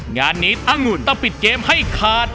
งานนี้อังุ่นต้องปิดเกมให้ขาด